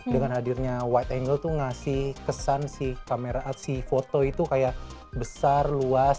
dengan hadirnya wide angle tuh ngasih kesan sih kamera si foto itu kayak besar luas